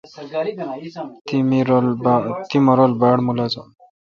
تی مہ رل باڑ ملازہ۔